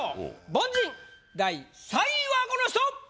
凡人第３位はこの人！